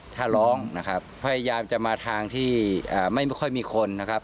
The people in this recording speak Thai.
ถ้าร้องนะครับพยายามจะมาทางที่ไม่ค่อยมีคนนะครับ